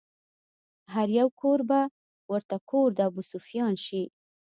هر يو کور به ورته کور د ابوسفيان شي